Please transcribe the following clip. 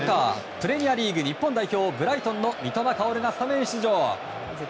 プレミアリーグ日本代表、ブライトンの三笘薫がスタメン出場。